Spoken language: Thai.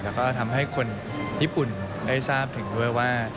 แล้วก็ทำให้คนญี่ปุ่นได้ทราบถึงด้วยว่า